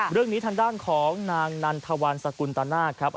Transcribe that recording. เรื่องนี้ทางด้านของนางนันทวันสกุลตนาคครับ